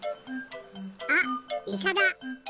あっイカだ！